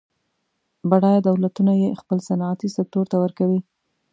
بډایه دولتونه یې خپل صنعتي سکتور ته ورکوي.